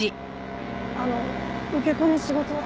あの受け子の仕事は。